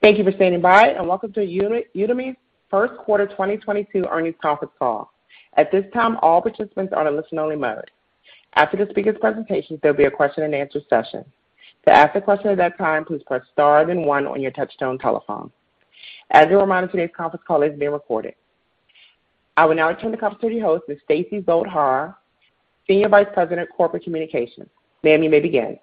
Thank you for standing by, and welcome to Udemy's First Quarter 2022 Earnings Conference Call. At this time, all participants are in listen only mode. After the speaker's presentation, there'll be a question-and-answer session. To ask a question at that time, please press star then one on your touch-tone telephone. As a reminder, today's conference call is being recorded. I will now turn the conference to your host, Ms. Stacey Zolt Hara, Senior Vice President of Corporate Communications. Ma'am, you may begin.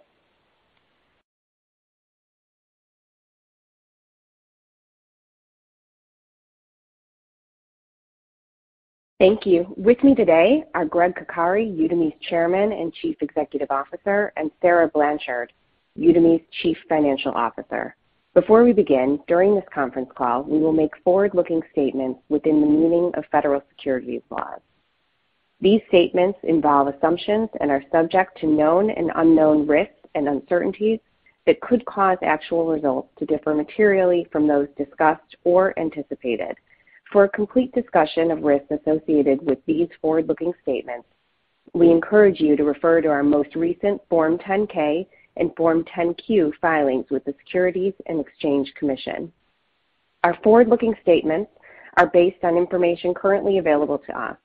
Thank you. With me today are Gregg Coccari, Udemy's Chairman and Chief Executive Officer, and Sarah Blanchard, Udemy's Chief Financial Officer. Before we begin, during this conference call, we will make forward-looking statements within the meaning of federal securities laws. These statements involve assumptions and are subject to known and unknown risks and uncertainties that could cause actual results to differ materially from those discussed or anticipated. For a complete discussion of risks associated with these forward-looking statements, we encourage you to refer to our most recent Form 10-K and Form 10-Q filings with the Securities and Exchange Commission. Our forward-looking statements are based on information currently available to us.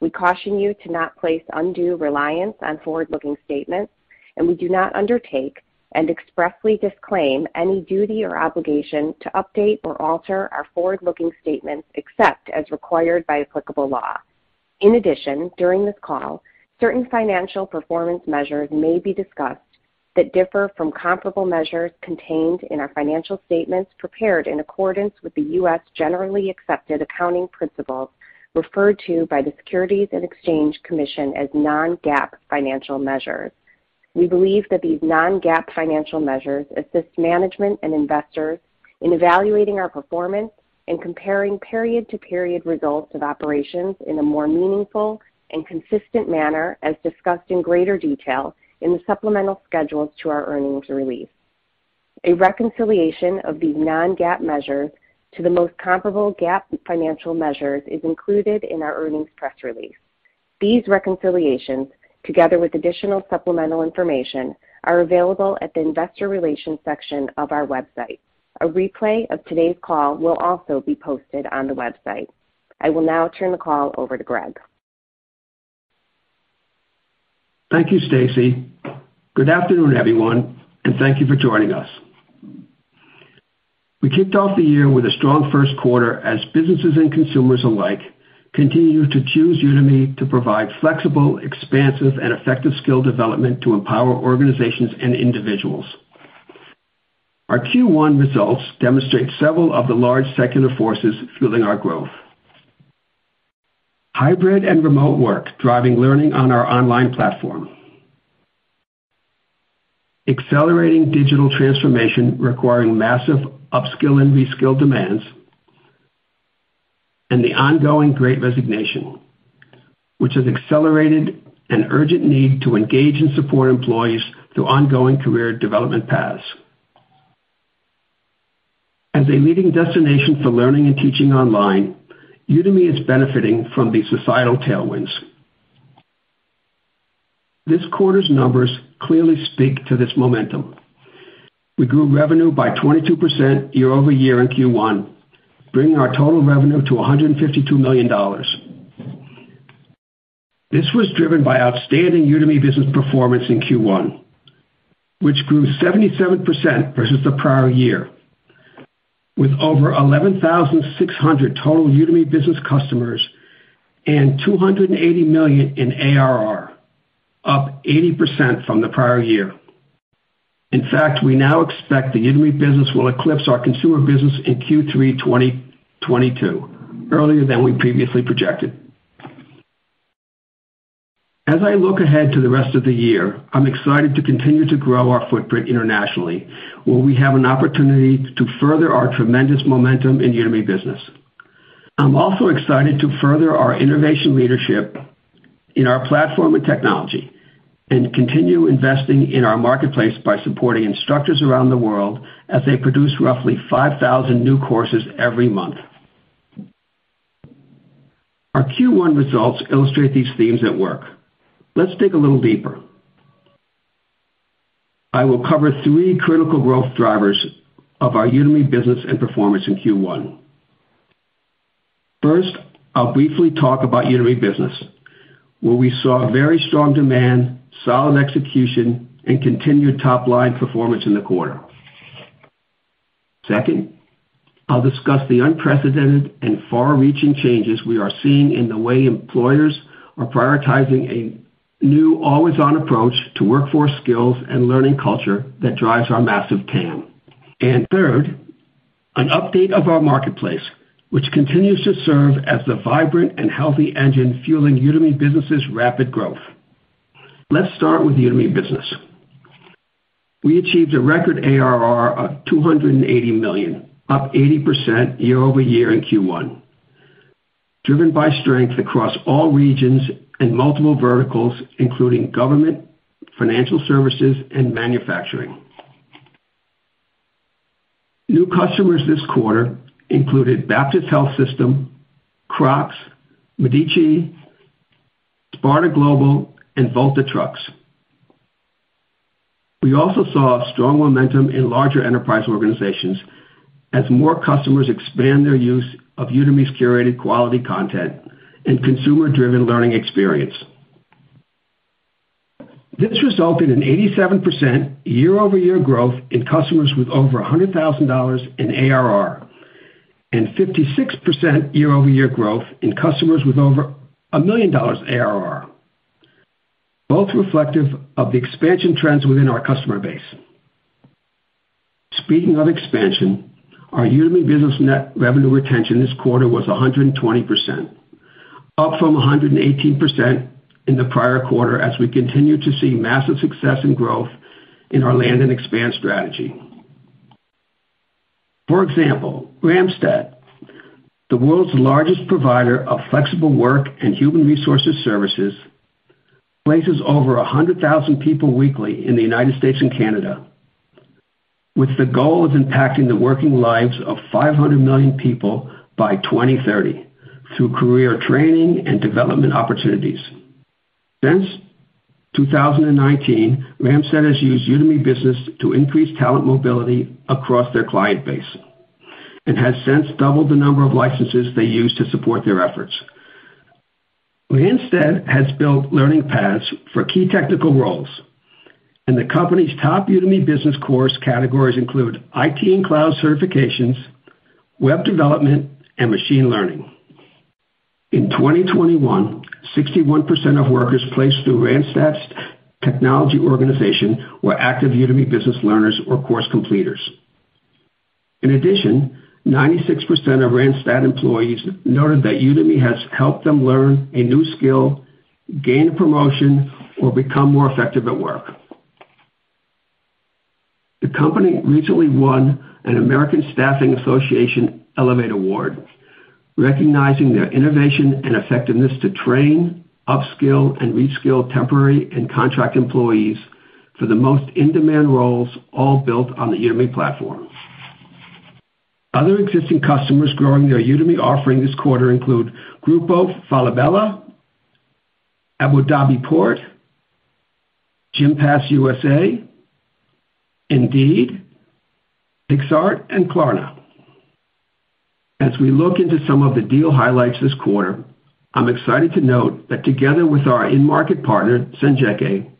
We caution you to not place undue reliance on forward-looking statements, and we do not undertake and expressly disclaim any duty or obligation to update or alter our forward-looking statements except as required by applicable law. In addition, during this call, certain financial performance measures may be discussed that differ from comparable measures contained in our financial statements prepared in accordance with the U.S. generally accepted accounting principles referred to by the Securities and Exchange Commission as non-GAAP financial measures. We believe that these non-GAAP financial measures assist management and investors in evaluating our performance and comparing period-to-period results of operations in a more meaningful and consistent manner, as discussed in greater detail in the supplemental schedules to our earnings release. A reconciliation of these non-GAAP measures to the most comparable GAAP financial measures is included in our earnings press release. These reconciliations, together with additional supplemental information, are available at the Investor Relations section of our website. A replay of today's call will also be posted on the website. I will now turn the call over to Gregg. Thank you, Stacey. Good afternoon, everyone, and thank you for joining us. We kicked off the year with a strong first quarter as businesses and consumers alike continue to choose Udemy to provide flexible, expansive, and effective skill development to empower organizations and individuals. Our Q1 results demonstrate several of the large secular forces fueling our growth. Hybrid and remote work driving learning on our online platform, accelerating digital transformation requiring massive upskill and reskill demands, and the ongoing Great Resignation, which has accelerated an urgent need to engage and support employees through ongoing career development paths. As a leading destination for learning and teaching online, Udemy is benefiting from these societal tailwinds. This quarter's numbers clearly speak to this momentum. We grew revenue by 22% year-over-year in Q1, bringing our total revenue to $152 million. This was driven by outstanding Udemy Business performance in Q1, which grew 77% versus the prior year. With over 11,600 total Udemy Business customers and $280 million in ARR, up 80% from the prior year. In fact, we now expect the Udemy Business will eclipse our consumer business in Q3 2022, earlier than we previously projected. As I look ahead to the rest of the year, I'm excited to continue to grow our footprint internationally, where we have an opportunity to further our tremendous momentum in Udemy Business. I'm also excited to further our innovation leadership in our platform and technology and continue investing in our marketplace by supporting instructors around the world as they produce roughly 5,000 new courses every month. Our Q1 results illustrate these themes at work. Let's dig a little deeper. I will cover three critical growth drivers of our Udemy Business and performance in Q1. First, I'll briefly talk about Udemy Business, where we saw very strong demand, solid execution, and continued top-line performance in the quarter. Second, I'll discuss the unprecedented and far-reaching changes we are seeing in the way employers are prioritizing a new always-on approach to workforce skills and learning culture that drives our massive TAM. Third, an update of our marketplace, which continues to serve as the vibrant and healthy engine fueling Udemy Business' rapid growth. Let's start with Udemy Business. We achieved a record ARR of $280 million, up 80% year-over-year in Q1, driven by strength across all regions and multiple verticals, including government, financial services, and manufacturing. New customers this quarter included Baptist Health System, Crocs, Medici, Sparta Global, and Volta Trucks. We also saw strong momentum in larger enterprise organizations as more customers expand their use of Udemy's curated quality content and consumer-driven learning experience. This resulted in 87% year-over-year growth in customers with over $100,000 in ARR, and 56% year-over-year growth in customers with over $1 million ARR, both reflective of the expansion trends within our customer base. Speaking of expansion, our yearly business net revenue retention this quarter was 120%, up from 118% in the prior quarter as we continue to see massive success and growth in our land and expand strategy. For example, Randstad, the world's largest provider of flexible work and human resources services, places over 100,000 people weekly in the United States and Canada, with the goal of impacting the working lives of 500 million people by 2030 through career training and development opportunities. Since 2019, Randstad has used Udemy Business to increase talent mobility across their client base and has since doubled the number of licenses they use to support their efforts. Randstad has built learning paths for key technical roles, and the company's top Udemy Business course categories include IT and cloud certifications, web development, and machine learning. In 2021, 61% of workers placed through Randstad's technology organization were active Udemy Business learners or course completers. In addition, 96% of Randstad employees noted that Udemy has helped them learn a new skill, gain a promotion, or become more effective at work. The company recently won an American Staffing Association Elevate Award, recognizing their innovation and effectiveness to train, upskill, and reskill temporary and contract employees for the most in-demand roles, all built on the Udemy platform. Other existing customers growing their Udemy offering this quarter include Grupo Falabella, Abu Dhabi Port, Gympass USA, Indeed, Picsart, and Klarna. As we look into some of the deal highlights this quarter, I'm excited to note that together with our in-market partner, Sanjieke,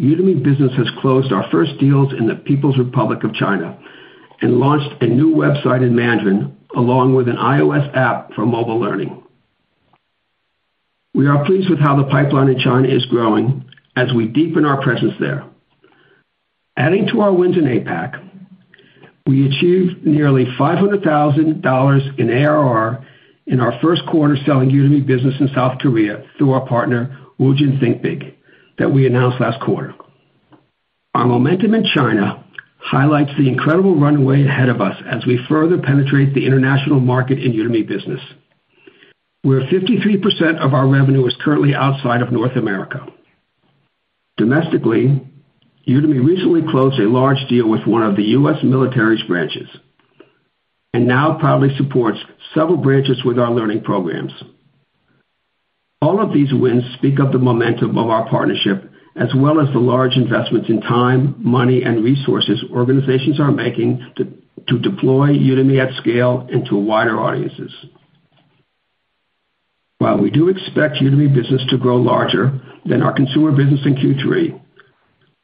Udemy Business has closed our first deals in the People's Republic of China and launched a new website in Mandarin along with an iOS app for mobile learning. We are pleased with how the pipeline in China is growing as we deepen our presence there. Adding to our wins in APAC, we achieved nearly $500,000 in ARR in our first quarter selling Udemy Business in South Korea through our partner, Woongjin Thinkbig, that we announced last quarter. Our momentum in China highlights the incredible runway ahead of us as we further penetrate the international market in Udemy Business, where 53% of our revenue is currently outside of North America. Domestically, Udemy recently closed a large deal with one of the U.S. military's branches, and now proudly supports several branches with our learning programs. All of these wins speak of the momentum of our partnership, as well as the large investments in time, money, and resources organizations are making to deploy Udemy at scale into wider audiences. While we do expect Udemy Business to grow larger than our consumer business in Q3,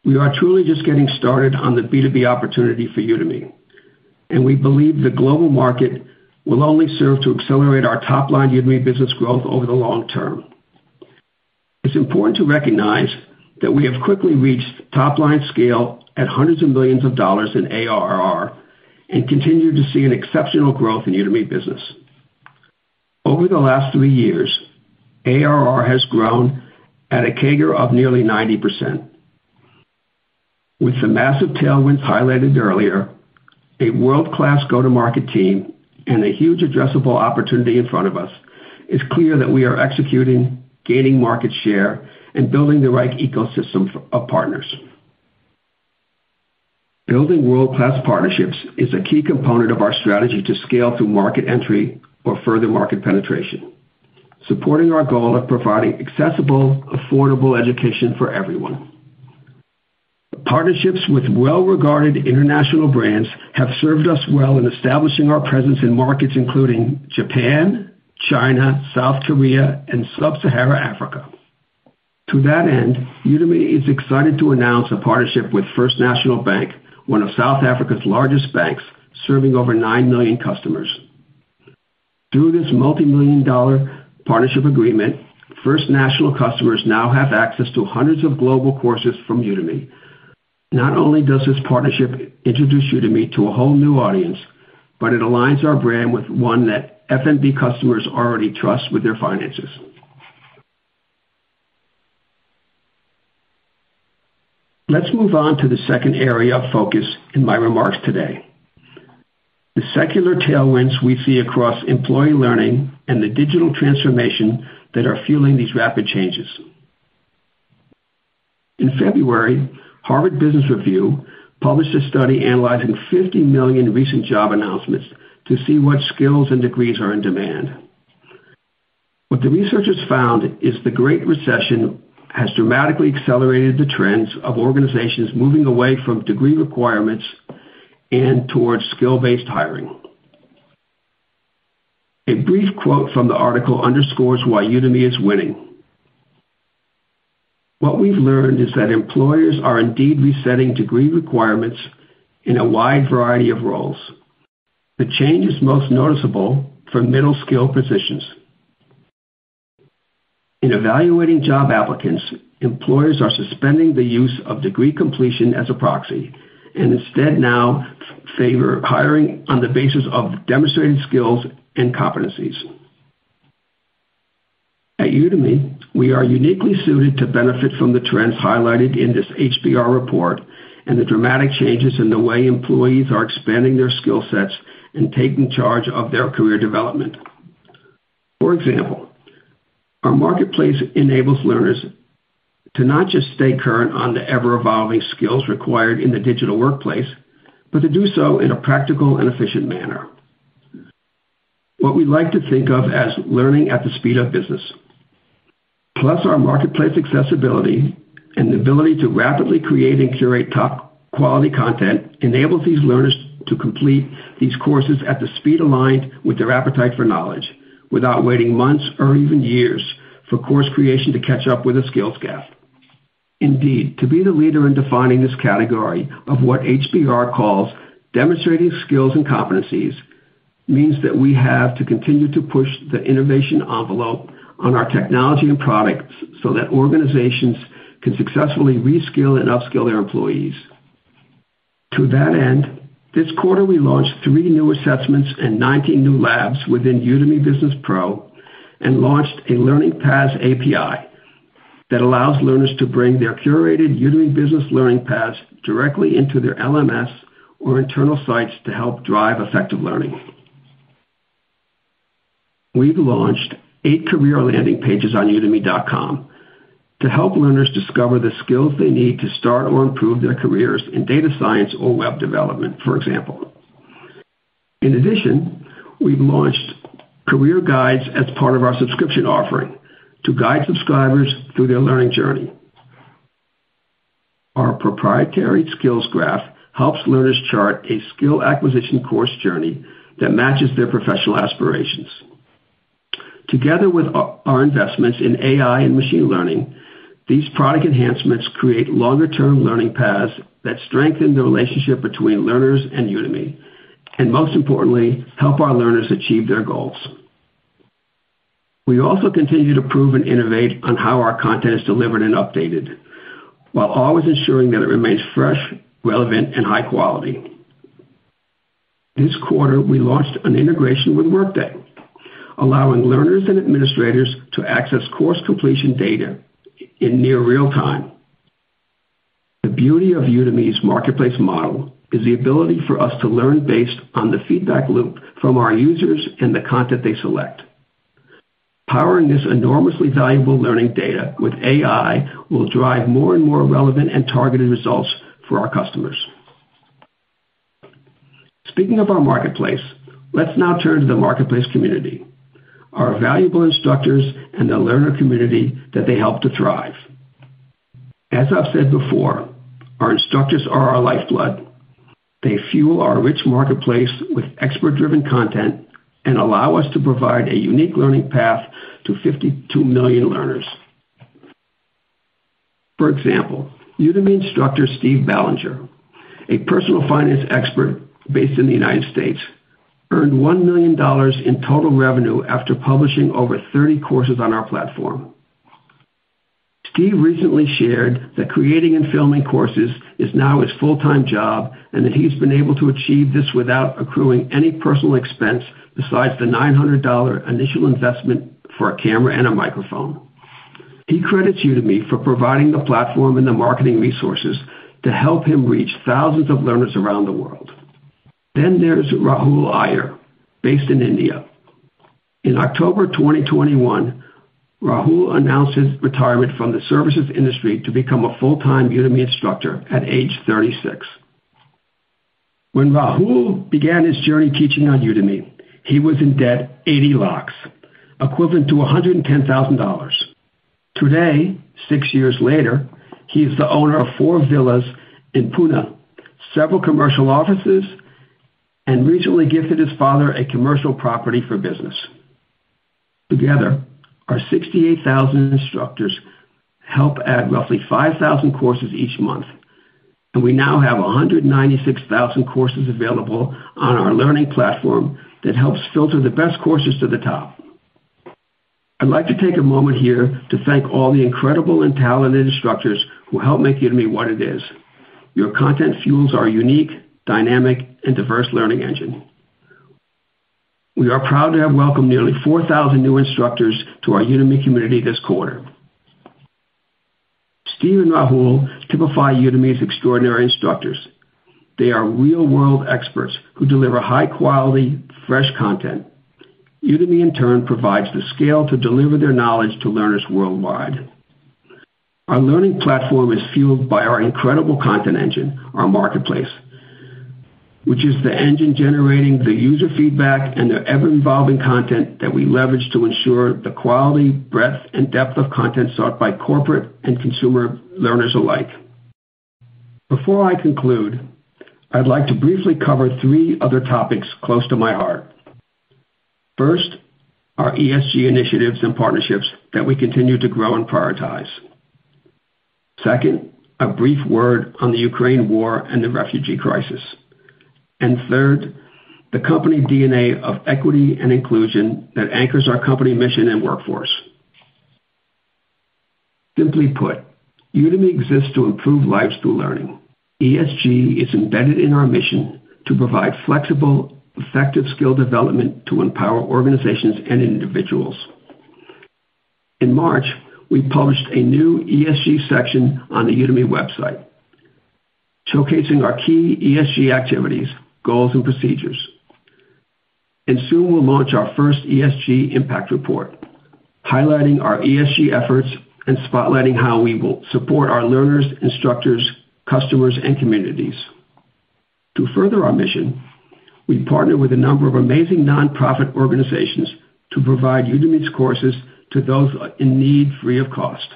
we are truly just getting started on the B2B opportunity for Udemy, and we believe the global market will only serve to accelerate our top-line Udemy Business growth over the long term. It's important to recognize that we have quickly reached top-line scale at hundreds of millions in ARR and continue to see an exceptional growth in Udemy Business. Over the last three years, ARR has grown at a CAGR of nearly 90%. With the massive tailwinds highlighted earlier, a world-class go-to-market team, and a huge addressable opportunity in front of us, it's clear that we are executing, gaining market share, and building the right ecosystem of partners. Building world-class partnerships is a key component of our strategy to scale through market entry or further market penetration, supporting our goal of providing accessible, affordable education for everyone. Partnerships with well-regarded international brands have served us well in establishing our presence in markets including Japan, China, South Korea, and sub-Saharan Africa. To that end, Udemy is excited to announce a partnership with First National Bank, one of South Africa's largest banks, serving over 9 million customers. Through this multimillion-dollar partnership agreement, First National customers now have access to hundreds of global courses from Udemy. Not only does this partnership introduce Udemy to a whole new audience, but it aligns our brand with one that FNB customers already trust with their finances. Let's move on to the second area of focus in my remarks today: the secular tailwinds we see across employee learning and the digital transformation that are fueling these rapid changes. In February, Harvard Business Review published a study analyzing 50 million recent job announcements to see what skills and degrees are in demand. What the researchers found is the Great Resignation has dramatically accelerated the trends of organizations moving away from degree requirements and towards skill-based hiring. A brief quote from the article underscores why Udemy is winning. What we've learned is that employers are indeed resetting degree requirements in a wide variety of roles. The change is most noticeable for middle-skill positions. In evaluating job applicants, employers are suspending the use of degree completion as a proxy and instead now favor hiring on the basis of demonstrated skills and competencies. At Udemy, we are uniquely suited to benefit from the trends highlighted in this HBR report and the dramatic changes in the way employees are expanding their skill sets and taking charge of their career development. For example, our marketplace enables learners to not just stay current on the ever-evolving skills required in the digital workplace, but to do so in a practical and efficient manner. What we like to think of as learning at the speed of business. Plus our marketplace accessibility and the ability to rapidly create and curate top quality content enables these learners to complete these courses at the speed aligned with their appetite for knowledge without waiting months or even years for course creation to catch up with the skills gap. Indeed, to be the leader in defining this category of what HBR calls demonstrating skills and competencies means that we have to continue to push the innovation envelope on our technology and products so that organizations can successfully reskill and upskill their employees. To that end, this quarter we launched three new assessments and 19 new labs within Udemy Business Pro and launched a learning paths API that allows learners to bring their curated Udemy Business learning paths directly into their LMS or internal sites to help drive effective learning. We've launched eight career landing pages on udemy.com to help learners discover the skills they need to start or improve their careers in data science or web development, for example. In addition, we've launched career guides as part of our subscription offering to guide subscribers through their learning journey. Our proprietary skills graph helps learners chart a skill acquisition course journey that matches their professional aspirations. Together with our investments in AI and machine learning, these product enhancements create longer-term learning paths that strengthen the relationship between learners and Udemy, and most importantly, help our learners achieve their goals. We also continue to improve and innovate on how our content is delivered and updated, while always ensuring that it remains fresh, relevant, and high quality. This quarter, we launched an integration with Workday, allowing learners and administrators to access course completion data in near real-time. The beauty of Udemy's marketplace model is the ability for us to learn based on the feedback loop from our users and the content they select. Powering this enormously valuable learning data with AI will drive more and more relevant and targeted results for our customers. Speaking of our marketplace, let's now turn to the marketplace community, our valuable instructors and the learner community that they help to thrive. As I've said before, our instructors are our lifeblood. They fuel our rich marketplace with expert-driven content and allow us to provide a unique learning path to 52 million learners. For example, Udemy instructor Steve Ballinger, a personal finance expert based in the United States, earned $1 million in total revenue after publishing over 30 courses on our platform. Steve recently shared that creating and filming courses is now his full-time job, and that he's been able to achieve this without accruing any personal expense besides the $900 initial investment for a camera and a microphone. He credits Udemy for providing the platform and the marketing resources to help him reach thousands of learners around the world. There's Rahul Iyer, based in India. In October 2021, Rahul announced his retirement from the services industry to become a full-time Udemy instructor at age 36. When Rahul began his journey teaching on Udemy, he was in debt 80 lakhs, equivalent to $110,000. Today, 6 years later, he is the owner of four villas in Pune, several commercial offices, and recently gifted his father a commercial property for business. Together, our 68,000 instructors help add roughly 5,000 courses each month, and we now have 196,000 courses available on our learning platform that helps filter the best courses to the top. I'd like to take a moment here to thank all the incredible and talented instructors who help make Udemy what it is. Your content fuels our unique, dynamic, and diverse learning engine. We are proud to have welcomed nearly 4,000 new instructors to our Udemy community this quarter. Steve and Rahul typify Udemy's extraordinary instructors. They are real-world experts who deliver high-quality, fresh content. Udemy, in turn, provides the scale to deliver their knowledge to learners worldwide. Our learning platform is fueled by our incredible content engine, our marketplace, which is the engine generating the user feedback and the ever-evolving content that we leverage to ensure the quality, breadth, and depth of content sought by corporate and consumer learners alike. Before I conclude, I'd like to briefly cover three other topics close to my heart. First, our ESG initiatives and partnerships that we continue to grow and prioritize. Second, a brief word on the Ukraine war and the refugee crisis. Third, the company DNA of equity and inclusion that anchors our company mission and workforce. Simply put, Udemy exists to improve lives through learning. ESG is embedded in our mission to provide flexible, effective skill development to empower organizations and individuals. In March, we published a new ESG section on the Udemy website, showcasing our key ESG activities, goals, and procedures. Soon we'll launch our first ESG impact report, highlighting our ESG efforts and spotlighting how we will support our learners, instructors, customers, and communities. To further our mission, we partner with a number of amazing nonprofit organizations to provide Udemy's courses to those in need free of cost.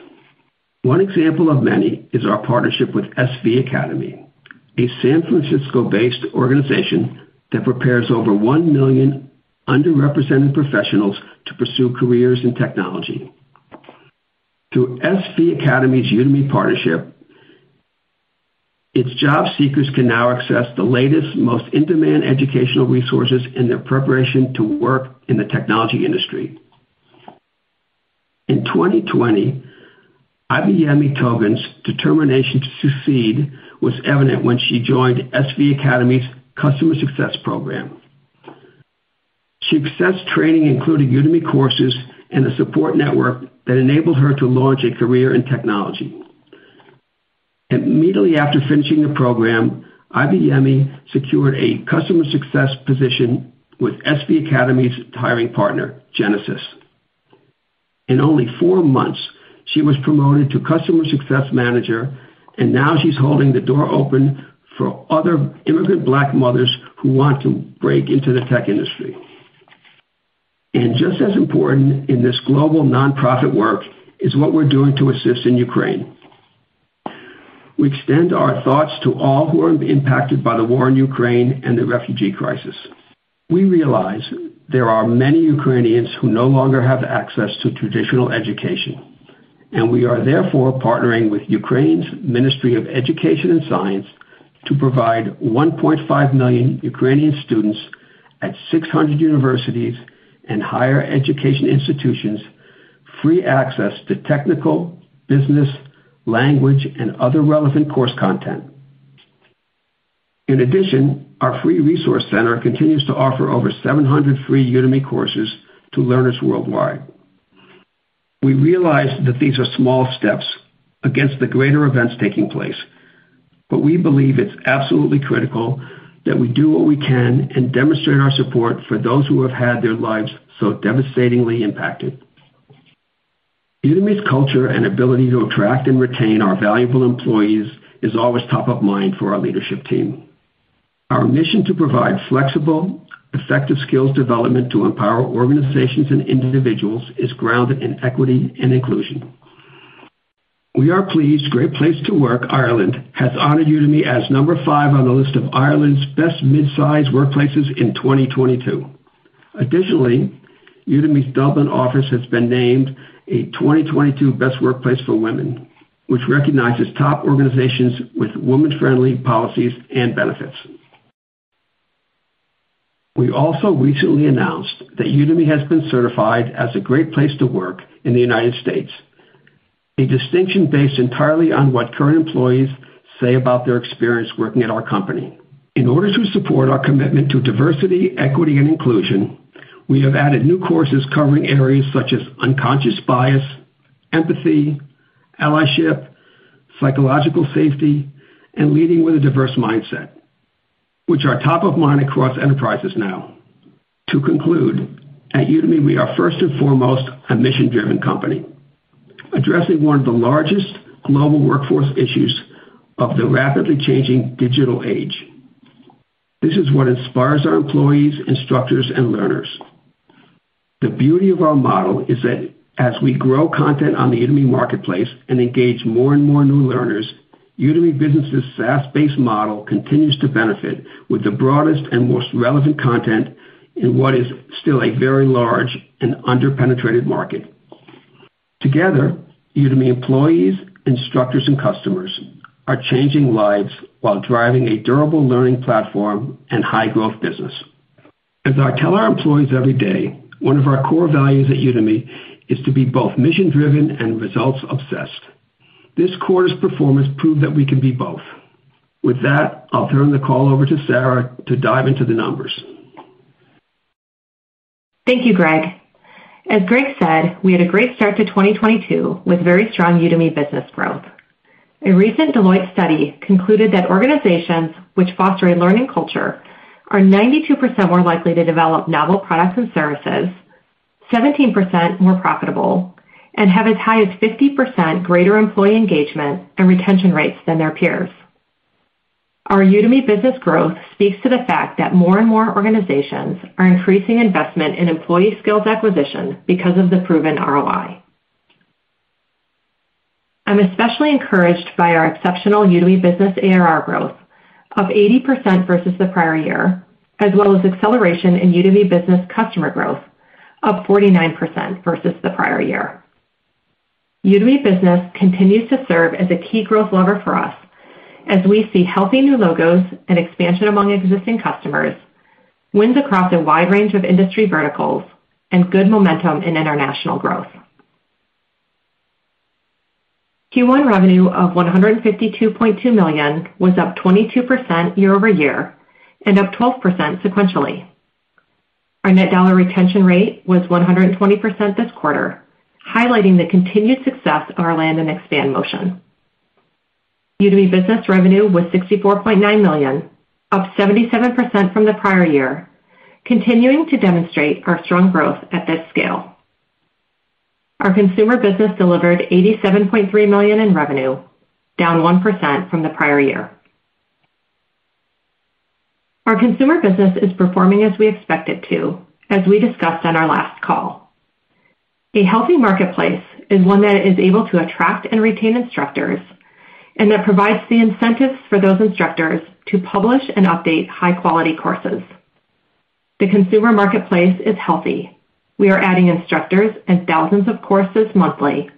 One example of many is our partnership with SV Academy, a San Francisco-based organization that prepares over 1 million underrepresented professionals to pursue careers in technology. Through SV Academy's Udemy partnership, its job seekers can now access the latest, most in-demand educational resources in their preparation to work in the technology industry. In 2020, Abayomi Togun's determination to succeed was evident when she joined SV Academy's Customer Success program. She accessed training, including Udemy courses, and a support network that enabled her to launch a career in technology. Immediately after finishing the program, Abayomi secured a customer success position with SV Academy's hiring partner, Genesys. In only four months, she was promoted to customer success manager, and now she's holding the door open for other immigrant Black mothers who want to break into the tech industry. Just as important in this global nonprofit work is what we're doing to assist in Ukraine. We extend our thoughts to all who are impacted by the war in Ukraine and the refugee crisis. We realize there are many Ukrainians who no longer have access to traditional education, and we are therefore partnering with the Ministry of Education and Science of Ukraine to provide 1.5 million Ukrainian students at 600 universities and higher education institutions free access to technical, business, language, and other relevant course content. In addition, our free resource center continues to offer over 700 free Udemy courses to learners worldwide. We realize that these are small steps against the greater events taking place, but we believe it's absolutely critical that we do what we can and demonstrate our support for those who have had their lives so devastatingly impacted. Udemy's culture and ability to attract and retain our valuable employees is always top of mind for our leadership team. Our mission to provide flexible, effective skills development to empower organizations and individuals is grounded in equity and inclusion. We are pleased, Great Place to Work Ireland has honored Udemy as number five on the list of Ireland's best mid-size workplaces in 2022. Additionally, Udemy's Dublin office has been named a 2022 Best Workplace for Women, which recognizes top organizations with women-friendly policies and benefits. We also recently announced that Udemy has been certified as a great place to work in the United States, a distinction based entirely on what current employees say about their experience working at our company. In order to support our commitment to diversity, equity, and inclusion, we have added new courses covering areas such as unconscious bias, empathy, allyship, psychological safety, and leading with a diverse mindset, which are top of mind across enterprises now. To conclude, at Udemy, we are first and foremost a mission-driven company, addressing one of the largest global workforce issues of the rapidly changing digital age. This is what inspires our employees, instructors, and learners. The beauty of our model is that as we grow content on the Udemy marketplace and engage more and more new learners, Udemy G' SaaS-based model continues to benefit with the broadest and most relevant content in what is still a very large and under-penetrated market. Together, Udemy employees, instructors, and customers are changing lives while driving a durable learning platform and high-growth business. As I tell our employees every day, one of our core values at Udemy is to be both mission-driven and results obsessed. This quarter's performance proved that we can be both. With that, I'll turn the call over to Sarah to dive into the numbers. Thank you, Gregg. As Gregg said, we had a great start to 2022 with very strong Udemy Business growth. A recent Deloitte study concluded that organizations which foster a learning culture are 92% more likely to develop novel products and services, 17% more profitable, and have as high as 50% greater employee engagement and retention rates than their peers. Our Udemy Business growth speaks to the fact that more and more organizations are increasing investment in employee skills acquisition because of the proven ROI. I'm especially encouraged by our exceptional Udemy Business ARR growth of 80% versus the prior year, as well as acceleration in Udemy Business customer growth of 49% versus the prior year. Udemy Business continues to serve as a key growth lever for us as we see healthy new logos and expansion among existing customers, wins across a wide range of industry verticals, and good momentum in international growth. Q1 revenue of $152.2 million was up 22% year-over-year and up 12% sequentially. Our net dollar retention rate was 120% this quarter, highlighting the continued success of our land and expand motion. Udemy Business revenue was $64.9 million, up 77% from the prior year, continuing to demonstrate our strong growth at this scale. Our consumer business delivered $87.3 million in revenue, down 1% from the prior year. Our consumer business is performing as we expect it to, as we discussed on our last call. A healthy marketplace is one that is able to attract and retain instructors and that provides the incentives for those instructors to publish and update high-quality courses. The consumer marketplace is healthy. We are adding instructors and thousands of courses monthly,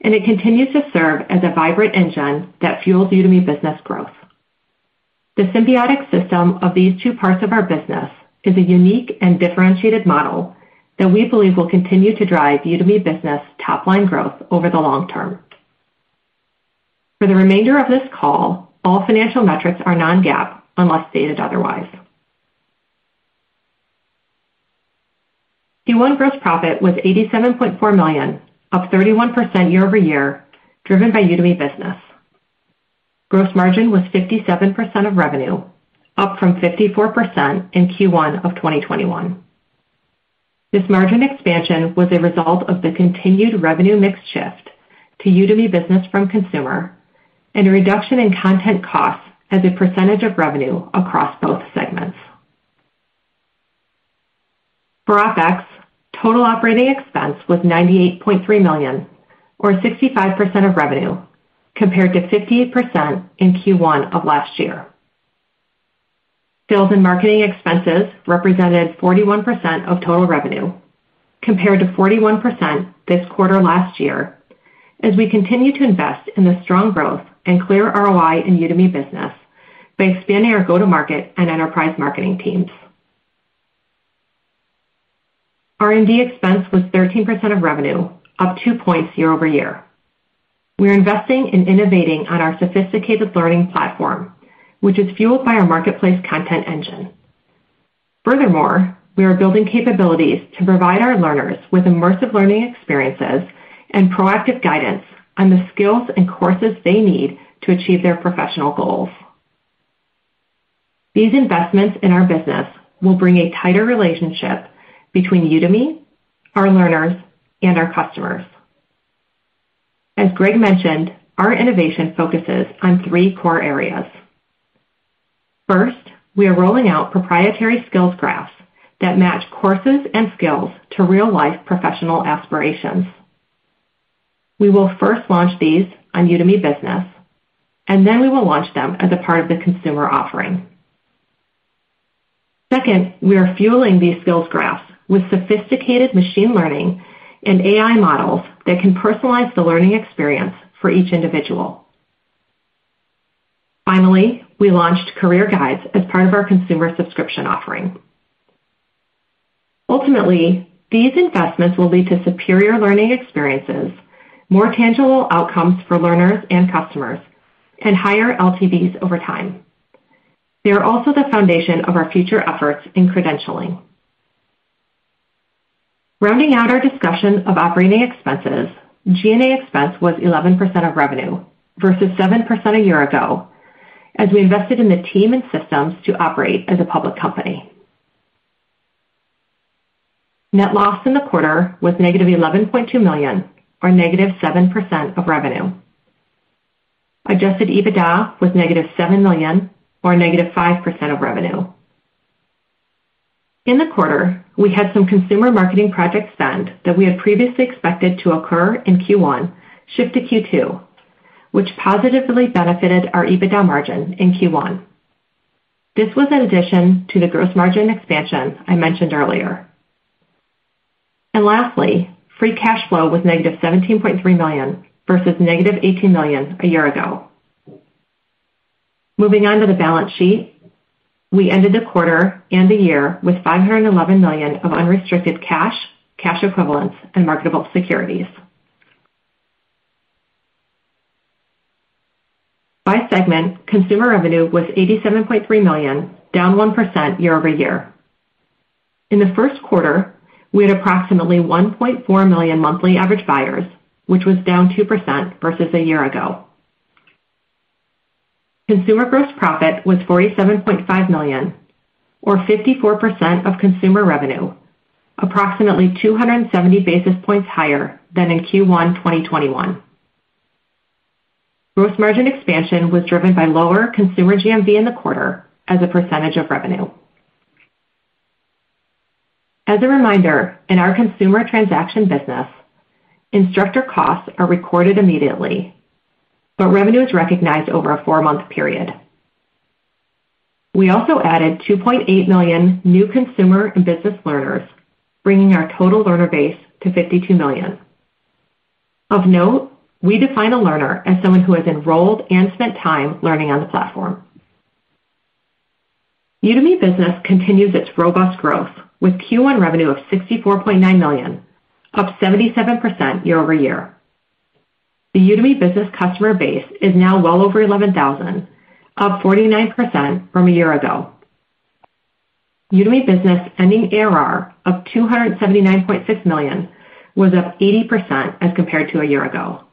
and it continues to serve as a vibrant engine that fuels Udemy Business growth. The symbiotic system of these two parts of our business is a unique and differentiated model that we believe will continue to drive Udemy Business top-line growth over the long term. For the remainder of this call, all financial metrics are non-GAAP, unless stated otherwise. Q1 gross profit was $87.4 million, up 31% year-over-year, driven by Udemy Business. Gross margin was 57% of revenue, up from 54% in Q1 of 2021. This margin expansion was a result of the continued revenue mix shift to Udemy Business from consumer and a reduction in content costs as a percentage of revenue across both segments. For OpEx, total operating expense was $98.3 million or 65% of revenue, compared to 58% in Q1 of last year. Sales and marketing expenses represented 41% of total revenue compared to 41% this quarter last year as we continue to invest in the strong growth and clear ROI in Udemy Business by expanding our go-to-market and enterprise marketing teams. R&D expense was 13% of revenue, up 2 points year-over-year. We are investing in innovating on our sophisticated learning platform, which is fueled by our marketplace content engine. Furthermore, we are building capabilities to provide our learners with immersive learning experiences and proactive guidance on the skills and courses they need to achieve their professional goals. These investments in our business will bring a tighter relationship between Udemy, our learners, and our customers. As Gregg mentioned, our innovation focuses on three core areas. First, we are rolling out proprietary skills graphs that match courses and skills to real-life professional aspirations. We will first launch these on Udemy Business, and then we will launch them as a part of the consumer offering. Second, we are fueling these skills graphs with sophisticated machine learning and AI models that can personalize the learning experience for each individual. Finally, we launched career guides as part of our consumer subscription offering. Ultimately, these investments will lead to superior learning experiences, more tangible outcomes for learners and customers, and higher LTVs over time. They are also the foundation of our future efforts in credentialing. Rounding out our discussion of operating expenses, G&A expense was 11% of revenue versus 7% a year ago, as we invested in the team and systems to operate as a public company. Net loss in the quarter was -$11.2 million or -7% of revenue. Adjusted EBITDA was -$7 million or -5% of revenue. In the quarter, we had some consumer marketing project spend that we had previously expected to occur in Q1, shift to Q2, which positively benefited our EBITDA margin in Q1. This was in addition to the gross margin expansion I mentioned earlier. Lastly, free cash flow was -$17.3 million, versus -$18 million a year ago. Moving on to the balance sheet, we ended the quarter and the year with $511 million of unrestricted cash equivalents, and marketable securities. By segment, consumer revenue was $87.3 million, down 1% year-over-year. In the first quarter, we had approximately 1.4 million monthly average buyers, which was down 2% versus a year ago. Consumer gross profit was $47.5 million or 54% of consumer revenue, approximately 270 basis points higher than in Q1 2021. Gross margin expansion was driven by lower consumer GMV in the quarter as a percentage of revenue. As a reminder, in our consumer transaction business, instructor costs are recorded immediately, but revenue is recognized over a four-month period. We also added 2.8 million new consumer and business learners, bringing our total learner base to 52 million. Of note, we define a learner as someone who has enrolled and spent time learning on the platform. Udemy Business continues its robust growth with Q1 revenue of $64.9 million, up 77% year-over-year. The Udemy Business customer base is now well over 11,000, up 49% from a year ago. Udemy Business ending ARR of $279.6 million was up 80% as compared to a year ago.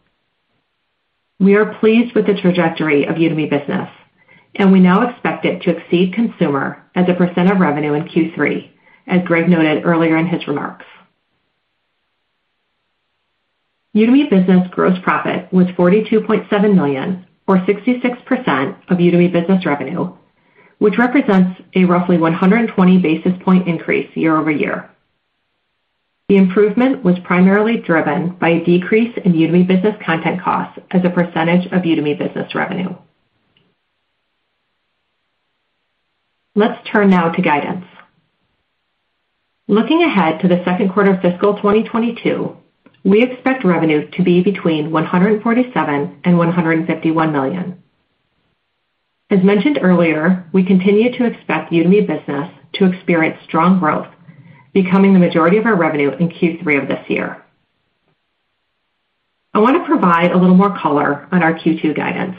We are pleased with the trajectory of Udemy Business, and we now expect it to exceed consumer as a percent of revenue in Q3, as Gregg noted earlier in his remarks. Udemy Business gross profit was $42.7 million, or 66% of Udemy Business revenue, which represents a roughly 120 basis point increase year-over-year. The improvement was primarily driven by a decrease in Udemy Business content costs as a percentage of Udemy Business revenue. Let's turn now to guidance. Looking ahead to the second quarter of fiscal 2022, we expect revenue to be between $147 million and $151 million. As mentioned earlier, we continue to expect Udemy Business to experience strong growth, becoming the majority of our revenue in Q3 of this year. I want to provide a little more color on our Q2 guidance.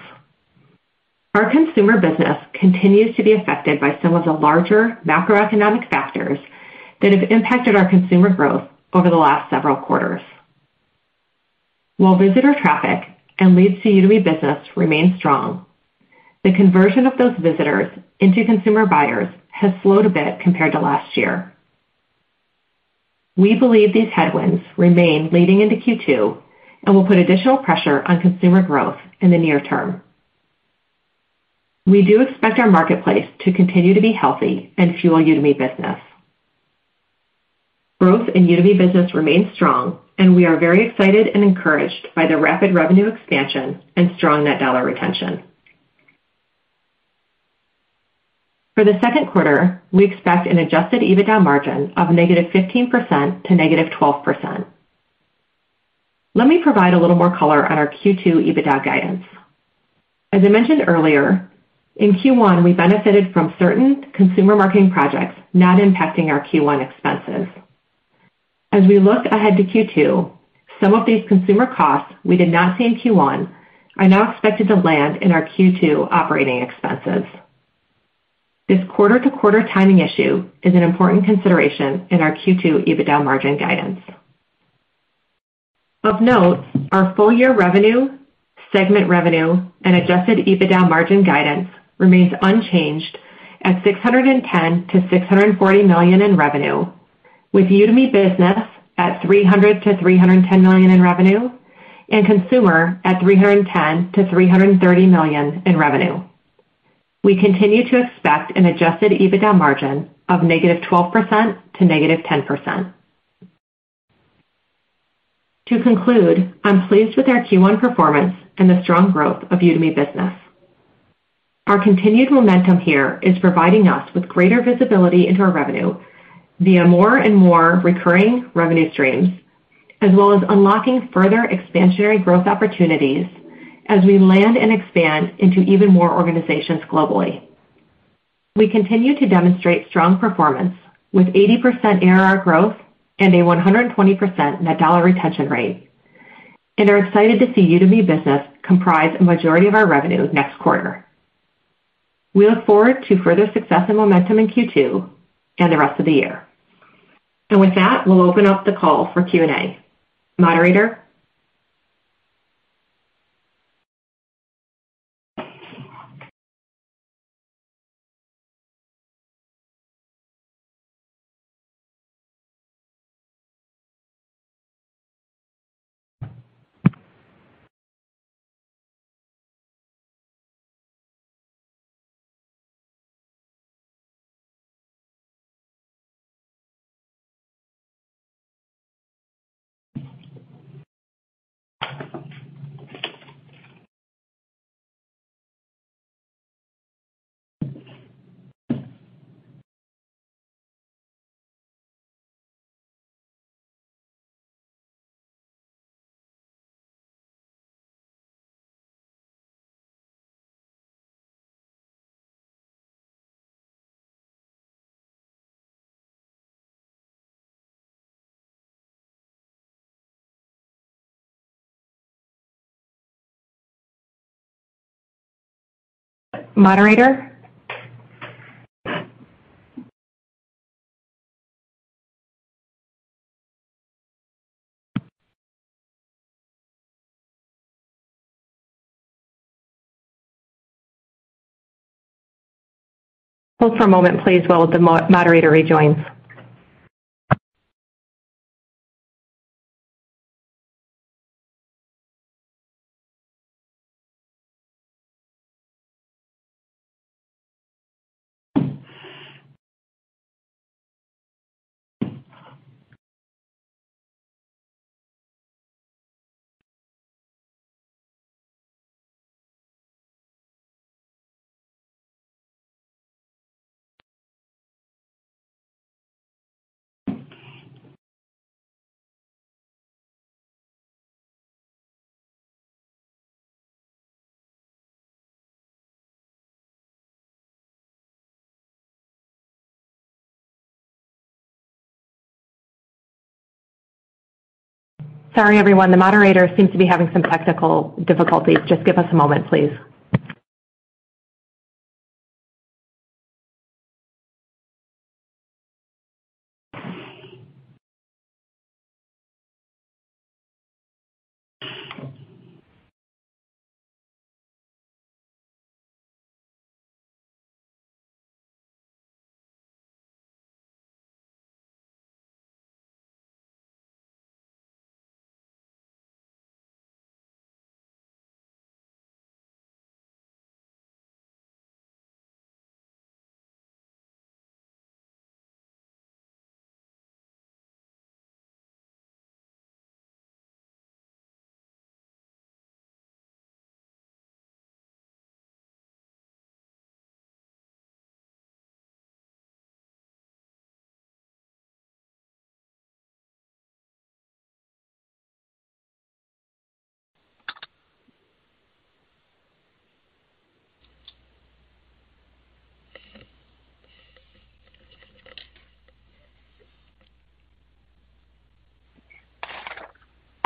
Our consumer business continues to be affected by some of the larger macroeconomic factors that have impacted our consumer growth over the last several quarters. While visitor traffic and leads to Udemy Business remain strong, the conversion of those visitors into consumer buyers has slowed a bit compared to last year. We believe these headwinds remain leading into Q2 and will put additional pressure on consumer growth in the near term. We do expect our marketplace to continue to be healthy and fuel Udemy Business. Growth in Udemy Business remains strong, and we are very excited and encouraged by the rapid revenue expansion and strong net dollar retention. For the second quarter, we expect an adjusted EBITDA margin of -15% to -12%. Let me provide a little more color on our Q2 EBITDA guidance. As I mentioned earlier, in Q1, we benefited from certain consumer marketing projects not impacting our Q1 expenses. As we look ahead to Q2, some of these consumer costs we did not see in Q1 are now expected to land in our Q2 operating expenses. This quarter-to-quarter timing issue is an important consideration in our Q2 EBITDA margin guidance. Of note, our full year revenue, segment revenue, and adjusted EBITDA margin guidance remains unchanged at $610 million-$640 million in revenue, with Udemy Business at $300 million-$310 million in revenue, and consumer at $310 million-$330 million in revenue. We continue to expect an adjusted EBITDA margin of -12% to -10%. To conclude, I'm pleased with our Q1 performance and the strong growth of Udemy Business. Our continued momentum here is providing us with greater visibility into our revenue via more and more recurring revenue streams, as well as unlocking further expansionary growth opportunities as we land and expand into even more organizations globally. We continue to demonstrate strong performance with 80% ARR growth and a 120% net dollar retention rate and are excited to see Udemy Business comprise a majority of our revenue next quarter. We look forward to further success and momentum in Q2 and the rest of the year. With that, we'll open up the call for Q&A. Moderator? Hold for a moment, please, while the moderator rejoins. Sorry, everyone, the moderator seems to be having some technical difficulties. Just give us a moment, please.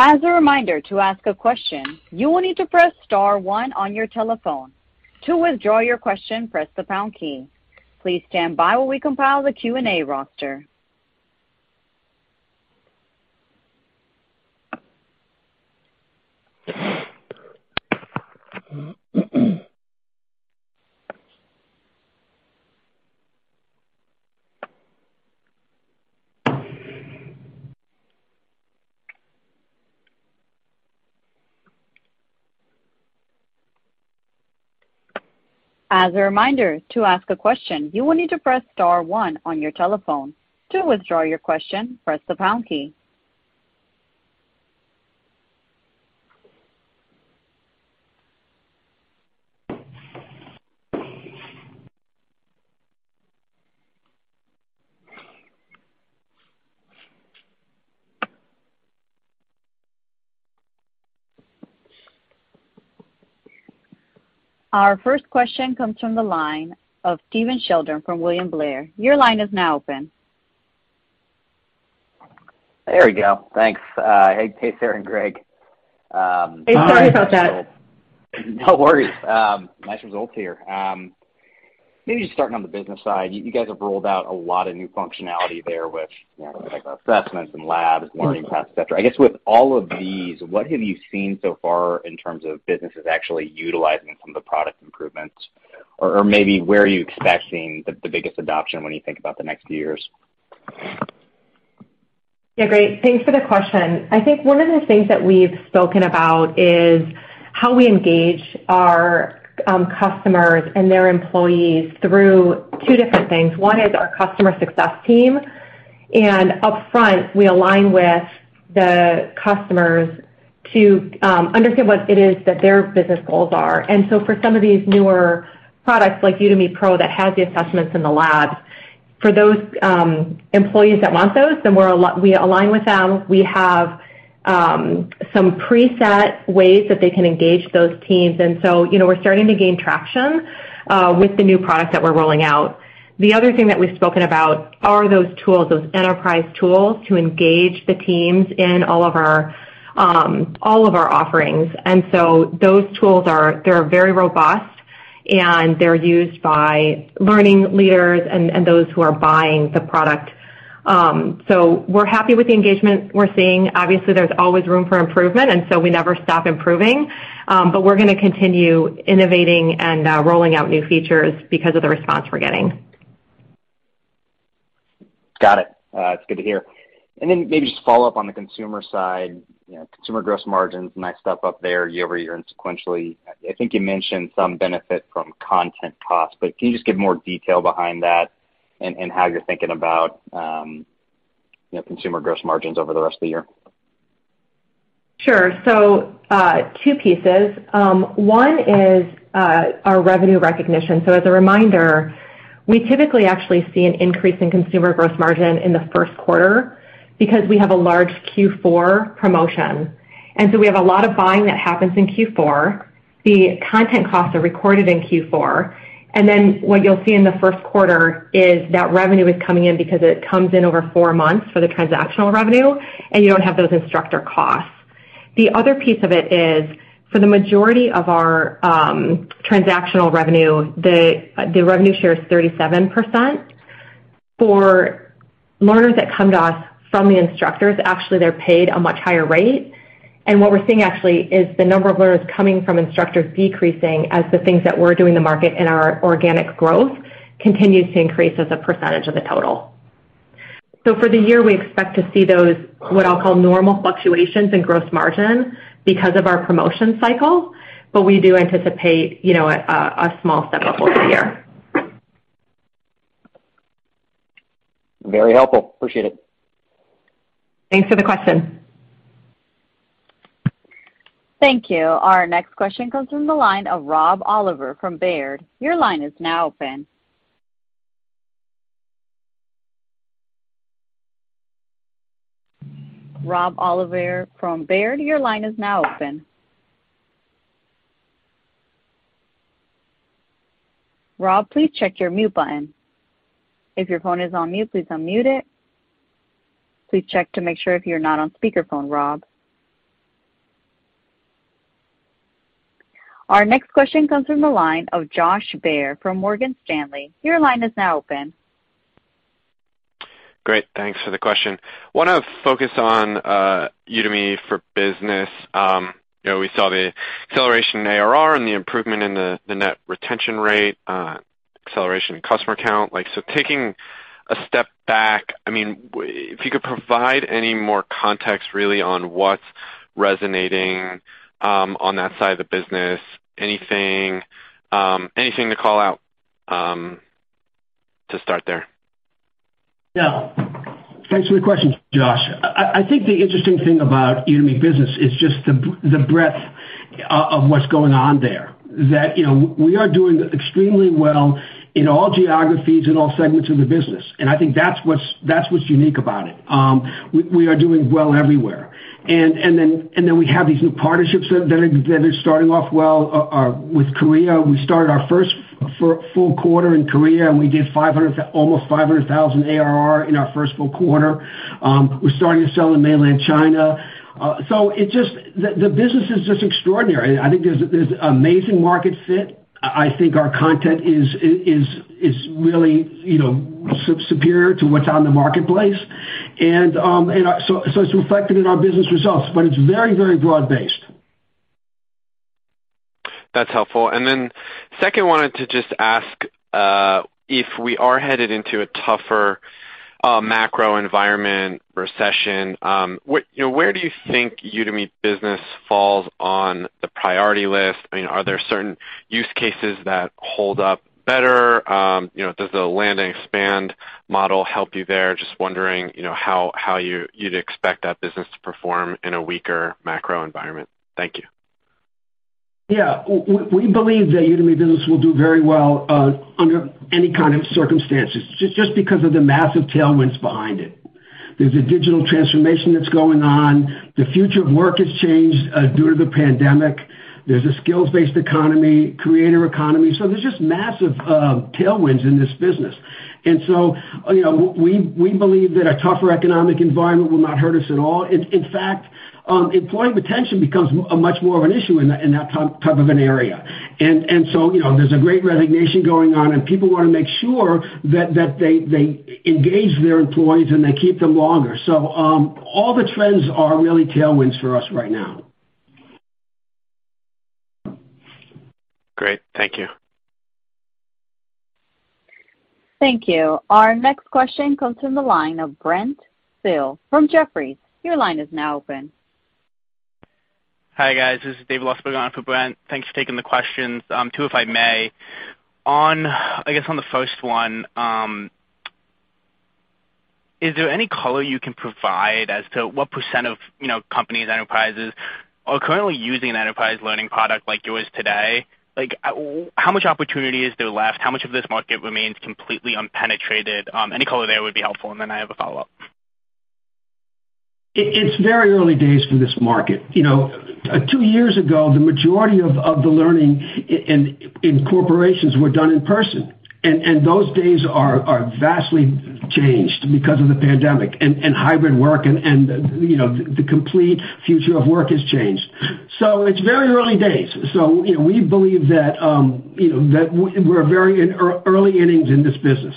As a reminder, to ask a question, you will need to press star one on your telephone. To withdraw your question, press the pound key. Please stand by while we compile the Q&A roster. As a reminder, to ask a question, you will need to press star one on your telephone. To withdraw your question, press the pound key. Our first question comes from the line of Stephen Sheldon from William Blair. Your line is now open. There we go. Thanks. Hey, Sarah and Gregg. Hey, sorry about that. No worries. Nice results here. Maybe just starting on the business side, you guys have rolled out a lot of new functionality there with, you know, like, assessments and labs, learning paths, et cetera. I guess with all of these, what have you seen so far in terms of businesses actually utilizing some of the product improvements? Or maybe where are you expecting the biggest adoption when you think about the next few years? Yeah, great. Thanks for the question. I think one of the things that we've spoken about is how we engage our customers and their employees through two different things. One is our customer success team, and upfront, we align with the customers to understand what it is that their business goals are. For some of these newer products like Udemy Pro that has the assessments in the lab, for those employees that want those, then we align with them. We have some preset ways that they can engage those teams. You know, we're starting to gain traction with the new product that we're rolling out. The other thing that we've spoken about are those tools, those enterprise tools to engage the teams in all of our offerings. Those tools they're very robust, and they're used by learning leaders and those who are buying the product. We're happy with the engagement we're seeing. Obviously, there's always room for improvement. We never stop improving. We're going to continue innovating and rolling out new features because of the response we're getting. Got it. It's good to hear. Maybe just follow up on the consumer side. You know, consumer gross margins, nice stuff up there year-over-year and sequentially. I think you mentioned some benefit from content costs, but can you just give more detail behind that and how you're thinking about, you know, consumer gross margins over the rest of the year? Sure. Two pieces. One is our revenue recognition. As a reminder, we typically actually see an increase in consumer gross margin in the first quarter because we have a large Q4 promotion. We have a lot of buying that happens in Q4. The content costs are recorded in Q4. What you'll see in the first quarter is that revenue is coming in because it comes in over four months for the transactional revenue, and you don't have those instructor costs. The other piece of it is, for the majority of our transactional revenue, the revenue share is 37%. For learners that come to us from the instructors, actually they're paid a much higher rate. What we're seeing actually is the number of learners coming from instructors decreasing as the things that we're doing in the market and our organic growth continues to increase as a percentage of the total. For the year, we expect to see those, what I'll call normal fluctuations in gross margin because of our promotion cycle, but we do anticipate, you know, a small step up for the year. Very helpful. Appreciate it. Thanks for the question. Thank you. Our next question comes from the line of Rob Oliver from Baird. Your line is now open. Rob Oliver from Baird, your line is now open. Rob, please check your mute button. If your phone is on mute, please unmute it. Please check to make sure if you're not on speaker phone, Rob. Our next question comes from the line of Josh Baer from Morgan Stanley. Your line is now open. Great, thanks for the question. Want to focus on Udemy Business. You know, we saw the acceleration in ARR and the improvement in the net retention rate, acceleration in customer count. Like, so taking a step back, I mean, if you could provide any more context really on what's resonating on that side of the business. Anything to call out to start there? Yeah. Thanks for the question, Josh. I think the interesting thing about Udemy Business is just the breadth of what's going on there. You know, we are doing extremely well in all geographies, in all segments of the business, and I think that's what's unique about it. We are doing well everywhere. Then we have these new partnerships that are starting off well. With Korea, we started our first full quarter in Korea, and we did almost $500,000 ARR in our first full quarter. We're starting to sell in Mainland China. So the business is just extraordinary. I think there's amazing market fit. I think our content is really, you know, superior to what's on the marketplace. It's reflected in our business results, but it's very, very broad-based. That's helpful. Then second, wanted to just ask, if we are headed into a tougher macro environment recession, where you know where do you think Udemy Business falls on the priority list? I mean, are there certain use cases that hold up better? You know, does the land and expand model help you there? Just wondering, you know, how you'd expect that business to perform in a weaker macro environment. Thank you. Yeah. We believe that Udemy Business will do very well under any kind of circumstances, just because of the massive tailwinds behind it. There's a digital transformation that's going on. The future of work has changed due to the pandemic. There's a skills-based economy, creator economy, so there's just massive tailwinds in this business. You know, we believe that a tougher economic environment will not hurt us at all. In fact, employee retention becomes a much more of an issue in that type of an area. You know, there's a Great Resignation going on, and people want to make sure that they engage their employees and they keep them longer. All the trends are really tailwinds for us right now. Great. Thank you. Thank you. Our next question comes from the line of Brent Thill from Jefferies. Your line is now open. Hi, guys. This is David Lustberg on for Brent Thill. Thanks for taking the questions. Two if I may. I guess on the first one, is there any color you can provide as to what percent of, you know, companies, enterprises are currently using an enterprise learning product like yours today? Like how much opportunity is there left? How much of this market remains completely unpenetrated? Any color there would be helpful, and then I have a follow-up. It's very early days for this market. You know, two years ago, the majority of the learning in corporations were done in person. Those days are vastly changed because of the pandemic and hybrid work and, you know, the complete future of work has changed. It's very early days. You know, we believe that we're very early innings in this business.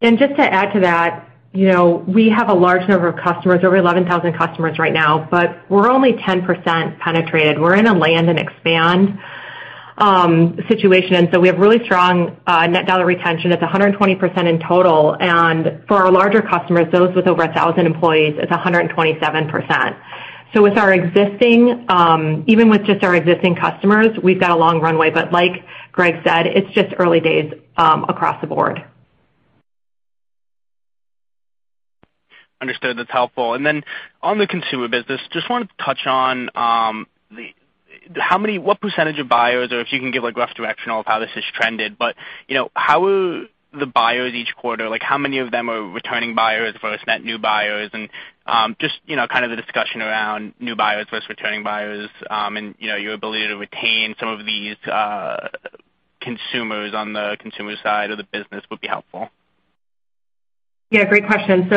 Just to add to that, you know, we have a large number of customers, over 11,000 customers right now, but we're only 10% penetrated. We're in a land and expand situation, and we have really strong net dollar retention. It's 120% in total, and for our larger customers, those with over 1,000 employees, it's 127%. With our existing, even with just our existing customers, we've got a long runway. Like Gregg said, it's just early days across the board. Understood. That's helpful. On the consumer business, just wanted to touch on what percentage of buyers or if you can give a rough directional of how this has trended. You know, how are the buyers each quarter, like how many of them are returning buyers versus net new buyers? Just, you know, kind of the discussion around new buyers versus returning buyers, and, you know, your ability to retain some of these consumers on the consumer side of the business would be helpful. Yeah, great question.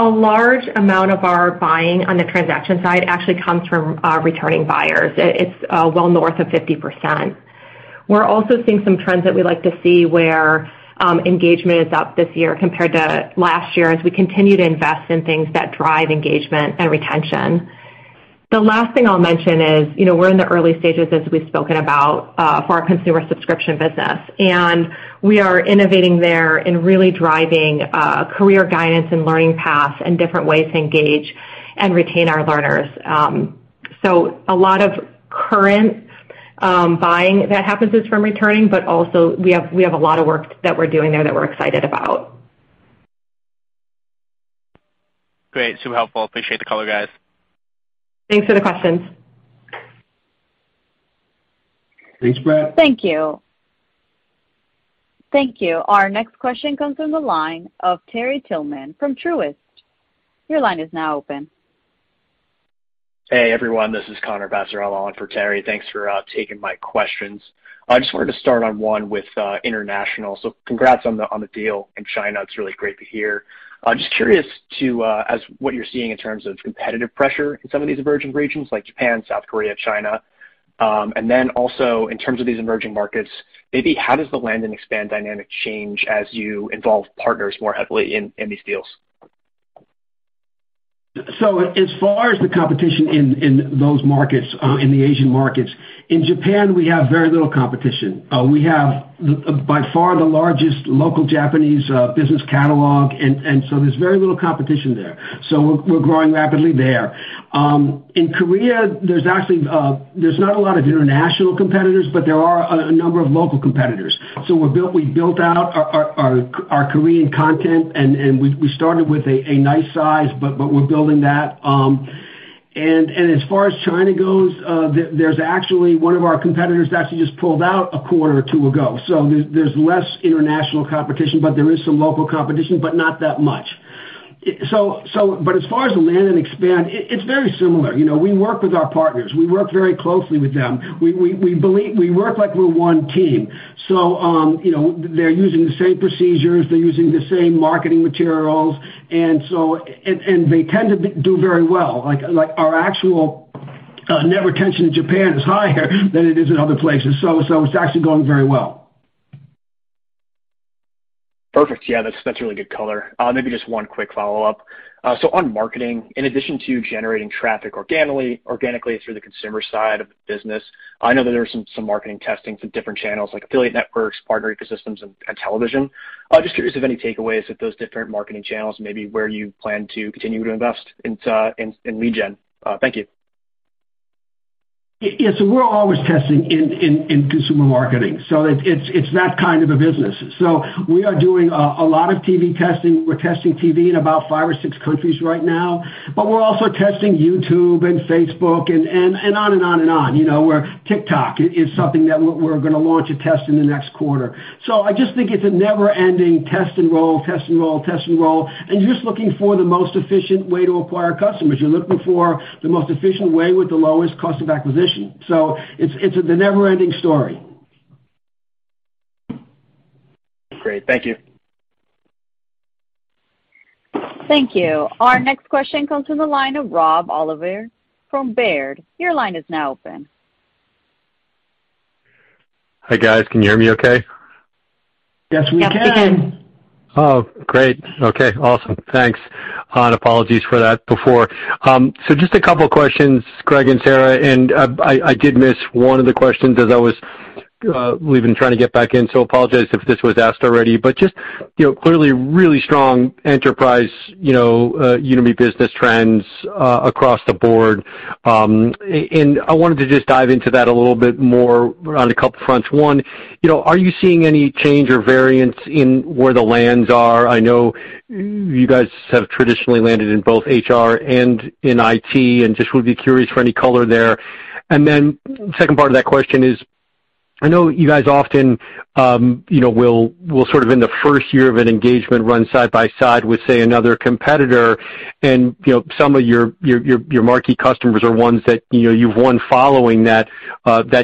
A large amount of our buying on the transaction side actually comes from returning buyers. It's well north of 50%. We're also seeing some trends that we like to see where engagement is up this year compared to last year as we continue to invest in things that drive engagement and retention. The last thing I'll mention is, you know, we're in the early stages, as we've spoken about, for our consumer subscription business, and we are innovating there and really driving career guidance and learning paths and different ways to engage and retain our learners. A lot of current buying that happens is from returning, but also we have a lot of work that we're doing there that we're excited about. Great. Super helpful. Appreciate the color, guys. Thanks for the questions. Thanks, David. Thank you. Thank you. Our next question comes from the line of Terry Tillman from Truist. Your line is now open. Hey, everyone. This is Connor Passarella on for Terry. Thanks for taking my questions. I just wanted to start on one with international. Congrats on the deal in China. It's really great to hear. I'm just curious as to what you're seeing in terms of competitive pressure in some of these emerging regions like Japan, South Korea, China. Also in terms of these emerging markets, maybe how does the land and expand dynamic change as you involve partners more heavily in these deals? As far as the competition in those markets, in the Asian markets, in Japan, we have very little competition. We have by far the largest local Japanese business catalog, and so there's very little competition there. We're growing rapidly there. In Korea, there's actually not a lot of international competitors, but there are a number of local competitors. We built out our Korean content and we started with a nice size, but we're building that. And as far as China goes, there's actually one of our competitors that actually just pulled out a quarter or two ago. There's less international competition, but there is some local competition, but not that much. But as far as land and expand, it's very similar. You know, we work with our partners. We work very closely with them. We work like we're one team. You know, they're using the same procedures, they're using the same marketing materials. They tend to do very well. Like, our actual net retention in Japan is higher than it is in other places. It's actually going very well. Perfect. Yeah, that's really good color. Maybe just one quick follow-up. So on marketing, in addition to generating traffic organically through the consumer side of the business, I know that there are some marketing testing for different channels like affiliate networks, partner ecosystems and television. Just curious if any takeaways with those different marketing channels, maybe where you plan to continue to invest in lead gen. Thank you. Yes, we're always testing in consumer marketing, it's that kind of a business. We are doing a lot of TV testing. We're testing TV in about five or six countries right now, but we're also testing YouTube and Facebook and on and on. You know, where TikTok is something that we're going to launch a test in the next quarter. I just think it's a never-ending test and roll, and you're just looking for the most efficient way to acquire customers. You're looking for the most efficient way with the lowest cost of acquisition. It's a never-ending story. Great. Thank you. Thank you. Our next question comes from the line of Rob Oliver from Baird. Your line is now open. Hi, guys. Can you hear me okay? Yes, we can. Yes, we can. Oh, great. Okay, awesome. Thanks and apologies for that before. So just a couple of questions, Gregg and Sarah, and I did miss one of the questions as I was leaving, trying to get back in, so apologize if this was asked already. Just, you know, clearly really strong enterprise, you know, Udemy Business trends across the board. I wanted to just dive into that a little bit more on a couple fronts. One, you know, are you seeing any change or variance in where the lands are? I know you guys have traditionally landed in both HR and in IT, and just would be curious for any color there. Then second part of that question is, I know you guys often, you know, will sort of in the first year of an engagement run side by side with, say, another competitor and, you know, some of your marquee customers are ones that, you know, you've won following that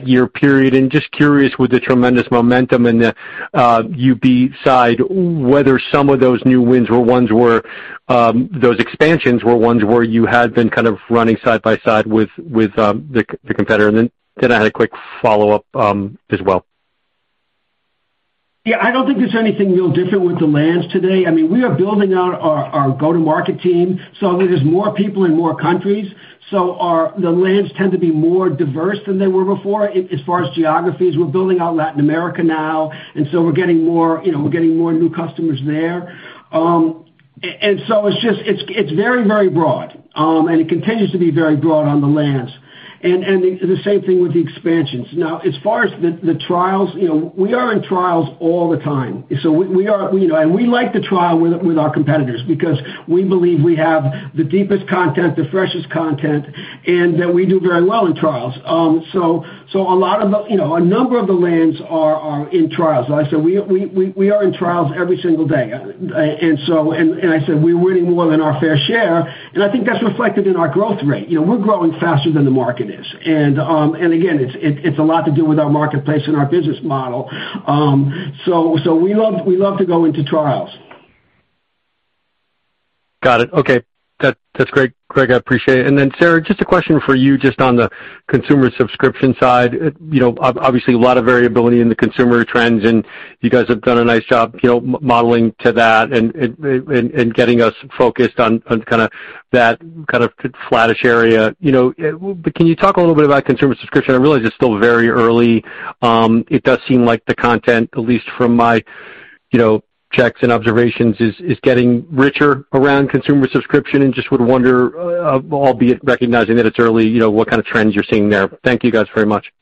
year period. Just curious with the tremendous momentum in the UB side, whether some of those new wins were ones where those expansions were ones where you had been kind of running side by side with the competitor. Then I had a quick follow-up as well. Yeah, I don't think there's anything real different with the lands today. I mean, we are building out our go-to-market team. There's more people in more countries. Our the lands tend to be more diverse than they were before, as far as geographies. We're building out Latin America now, and we're getting more new customers there. We're getting more new customers there. It's just very broad, and it continues to be very broad on the lands. The same thing with the expansions. Now, as far as the trials, we are in trials all the time. We like to trial with our competitors because we believe we have the deepest content, the freshest content, and that we do very well in trials. A lot of, you know, a number of the lands are in trials. Like I said, we are in trials every single day. I said we're winning more than our fair share, and I think that's reflected in our growth rate. You know, we're growing faster than the market is. Again, it's a lot to do with our marketplace and our business model. We love to go into trials. Got it. Okay. That's great, Gregg. I appreciate it. Sarah, just a question for you just on the consumer subscription side. You know, obviously, a lot of variability in the consumer trends, and you guys have done a nice job, you know, modeling to that and getting us focused on kind of that kind of flattish area, you know. But can you talk a little bit about consumer subscription? I realize it's still very early. It does seem like the content, at least from my, you know, checks and observations, is getting richer around consumer subscription. Just would wonder, albeit recognizing that it's early, you know, what kind of trends you're seeing there. Thank you guys very much.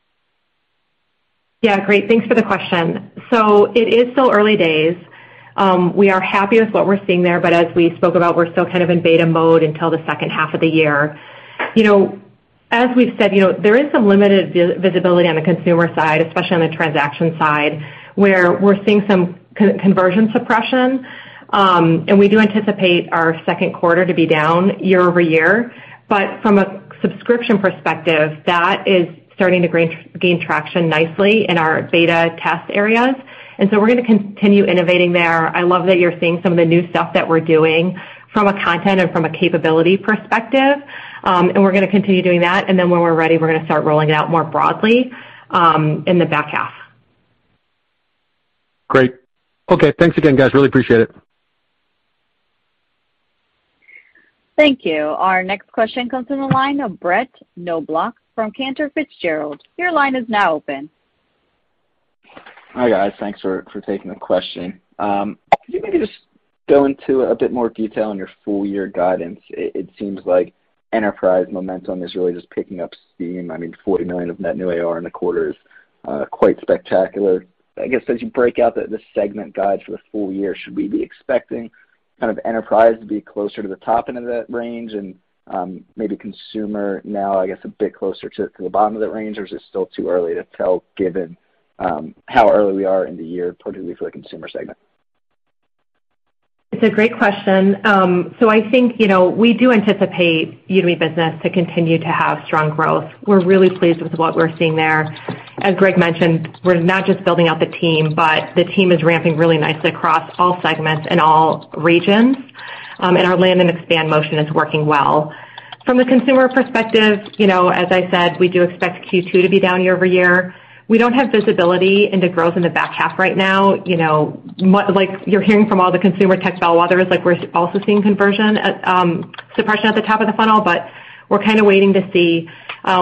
Yeah, great, thanks for the question. It is still early days. We are happy with what we're seeing there, but as we spoke about, we're still kind of in beta mode until the second half of the year. You know, as we've said, you know, there is some limited visibility on the consumer side, especially on the transaction side, where we're seeing some conversion suppression. We do anticipate our second quarter to be down year-over-year. From a subscription perspective, that is starting to gain traction nicely in our beta test areas, and so we're going to continue innovating there. I love that you're seeing some of the new stuff that we're doing from a content and from a capability perspective, and we're going to continue doing that. When we're ready, we're going to start rolling it out more broadly, in the back half. Great. Okay. Thanks again, guys. Really appreciate it. Thank you. Our next question comes from the line of Brett Knoblauch from Cantor Fitzgerald. Your line is now open. Hi, guys. Thanks for taking the question. Could you maybe just go into a bit more detail on your full year guidance? It seems like enterprise momentum is really just picking up steam. I mean, $40 million of net new AR in the quarter is quite spectacular. I guess as you break out the segment guide for the full year, should we be expecting kind of enterprise to be closer to the top end of that range and maybe consumer now, I guess, a bit closer to the bottom of that range? Or is it still too early to tell, given how early we are in the year, particularly for the consumer segment? It's a great question. I think, you know, we do anticipate Udemy Business to continue to have strong growth. We're really pleased with what we're seeing there. As Gregg mentioned, we're not just building out the team, but the team is ramping really nicely across all segments and all regions. Our land and expand motion is working well. From the consumer perspective, you know, as I said, we do expect Q2 to be down year-over-year. We don't have visibility into growth in the back half right now. You know, like you're hearing from all the consumer tech bellwethers, like we're also seeing conversion and suppression at the top of the funnel, but we're kind of waiting to see.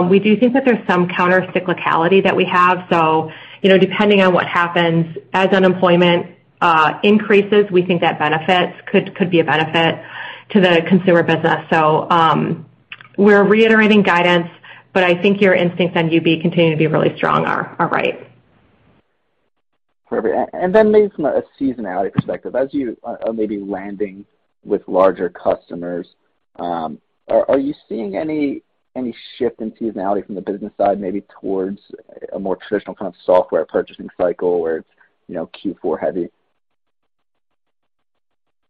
We do think that there's some countercyclicality that we have. You know, depending on what happens, as unemployment increases, we think that benefits could be a benefit to the consumer business. We're reiterating guidance, but I think your instincts on UB continuing to be really strong are right. Perfect. Maybe from a seasonality perspective, as you are maybe landing with larger customers, are you seeing any shift in seasonality from the business side, maybe towards a more traditional kind of software purchasing cycle where it's, you know, Q4 heavy?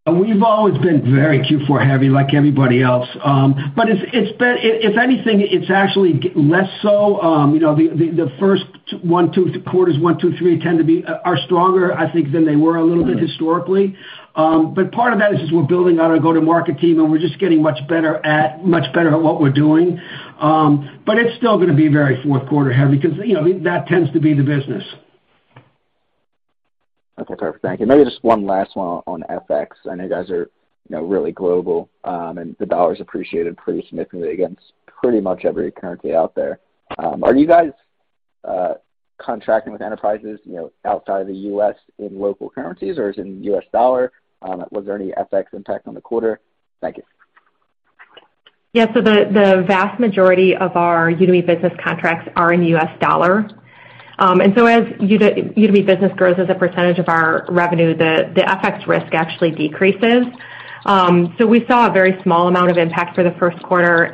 We've always been very Q4 heavy like everybody else. It's been, if anything, it's actually less so. You know, the first one, two, three quarters tend to be stronger, I think, than they were a little bit historically. Part of that is just we're building out our go-to-market team, and we're just getting much better at what we're doing. It's still going to be very fourth quarter heavy because, you know, that tends to be the business. Okay, perfect. Thank you. Maybe just one last one on FX. I know you guys are, you know, really global, and the dollar's appreciated pretty significantly against pretty much every currency out there. Are you guys contracting with enterprises, you know, outside of the U.S. in local currencies or is it in U.S. dollar? Was there any FX impact on the quarter? Thank you. Yeah. The vast majority of our Udemy Business contracts are in U.S. dollar. As Udemy Business grows as a percentage of our revenue, the FX risk actually decreases. We saw a very small amount of impact for the first quarter.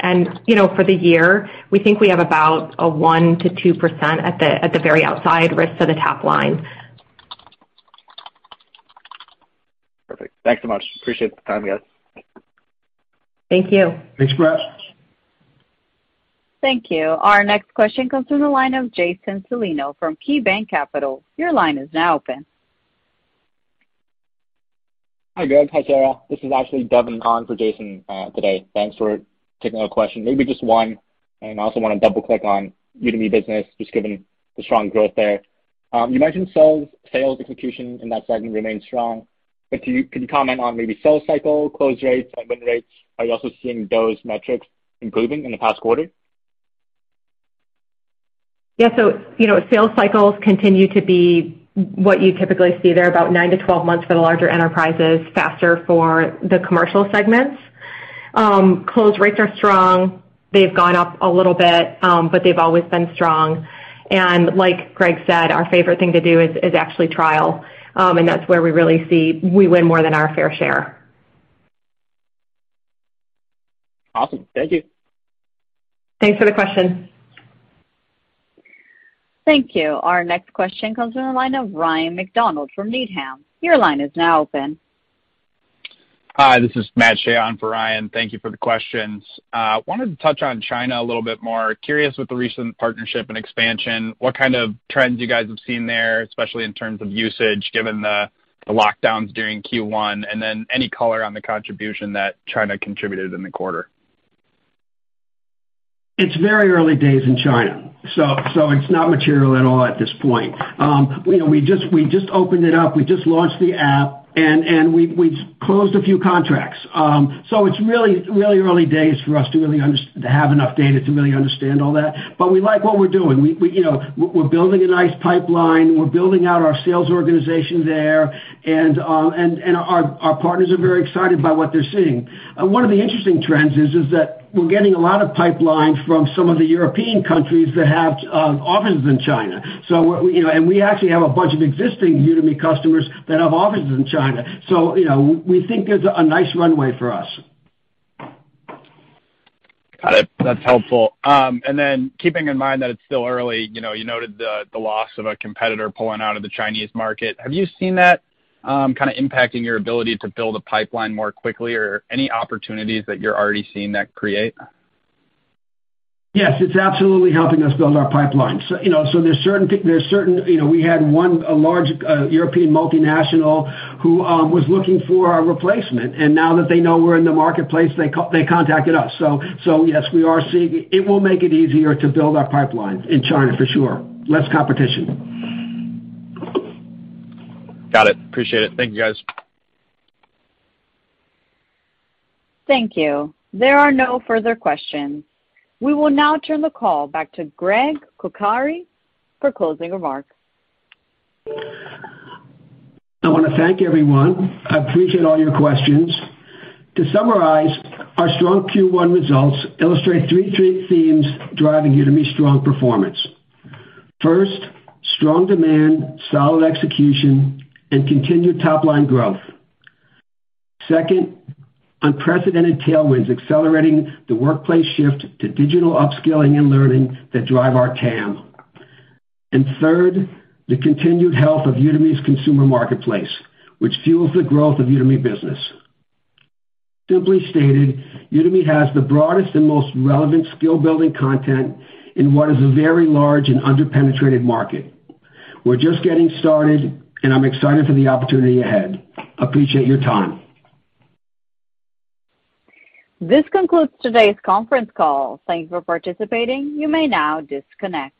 You know, for the year, we think we have about a 1%-2% at the very outside risk to the top line. Perfect. Thanks so much. Appreciate the time, guys. Thank you. Thanks, Brett. Thank you. Our next question comes from the line of Jason Celino from KeyBanc Capital. Your line is now open. Hi, Gregg. Hi, Sarah. This is actually Devin on for Jason today. Thanks for taking our question. Maybe just one, and I also want to double-click on Udemy Business, just given the strong growth there. You mentioned sales execution in that segment remains strong. Can you comment on maybe sales cycle, close rates and win rates? Are you also seeing those metrics improving in the past quarter? Yeah. You know, sales cycles continue to be what you typically see there, about nine to 12 months for the larger enterprises, faster for the commercial segments. Close rates are strong. They've gone up a little bit, but they've always been strong. Like Gregg said, our favorite thing to do is actually trial. That's where we really see we win more than our fair share. Awesome. Thank you. Thanks for the question. Thank you. Our next question comes from the line of Ryan MacDonald from Needham. Your line is now open. Hi, this is Matt Shea on for Ryan. Thank you for the questions. Wanted to touch on China a little bit more. Curious with the recent partnership and expansion, what kind of trends you guys have seen there, especially in terms of usage, given the lockdowns during Q1, and then any color on the contribution that China contributed in the quarter? It's very early days in China, so it's not material at all at this point. You know, we just opened it up. We just launched the app, and we closed a few contracts. It's really early days for us to have enough data to really understand all that. But we like what we're doing. You know, we're building a nice pipeline. We're building out our sales organization there, and our partners are very excited by what they're seeing. One of the interesting trends is that we're getting a lot of pipeline from some of the European countries that have offices in China. You know, and we actually have a bunch of existing Udemy customers that have offices in China. you know, we think there's a nice runway for us. Got it. That's helpful. Keeping in mind that it's still early, you know, you noted the loss of a competitor pulling out of the Chinese market. Have you seen that kind of impacting your ability to build a pipeline more quickly or any opportunities that you're already seeing that create? Yes, it's absolutely helping us build our pipeline. You know, so there's certain, you know, we had one large European multinational who was looking for a replacement, and now that they know we're in the marketplace, they contacted us. Yes, we are seeing. It will make it easier to build our pipelines in China for sure. Less competition. Got it. Appreciate it. Thank you, guys. Thank you. There are no further questions. We will now turn the call back to Gregg Coccari for closing remarks. I want to thank everyone. I appreciate all your questions. To summarize, our strong Q1 results illustrate three big themes driving Udemy's strong performance. First, strong demand, solid execution, and continued top-line growth. Second, unprecedented tailwinds accelerating the workplace shift to digital upskilling and learning that drive our TAM. Third, the continued health of Udemy's consumer marketplace, which fuels the growth of Udemy Business. Simply stated, Udemy has the broadest and most relevant skill-building content in what is a very large and under-penetrated market. We're just getting started, and I'm excited for the opportunity ahead. Appreciate your time. This concludes today's conference call. Thank you for participating. You may now disconnect.